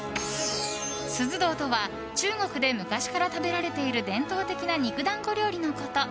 獅子頭とは中国で昔から食べられている伝統的な肉団子料理のこと。